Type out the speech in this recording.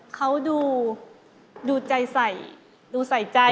เขาดูใจใส่ดูใส่ใจ